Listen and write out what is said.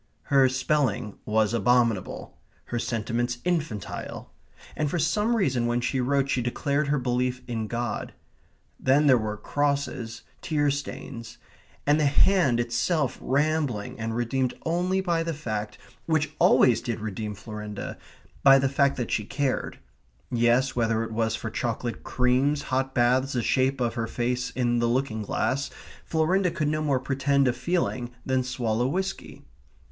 Her spelling was abominable. Her sentiments infantile. And for some reason when she wrote she declared her belief in God. Then there were crosses tear stains; and the hand itself rambling and redeemed only by the fact which always did redeem Florinda by the fact that she cared. Yes, whether it was for chocolate creams, hot baths, the shape of her face in the looking glass, Florinda could no more pretend a feeling than swallow whisky.